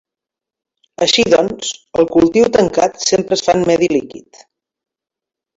Així doncs el cultiu tancat sempre es fa en medi líquid.